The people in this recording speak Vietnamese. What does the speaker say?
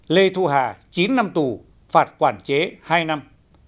lê thu hà chín năm tù phạt quản chế hai năm